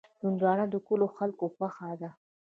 هندوانه د کلیو خلکو خوښه ده.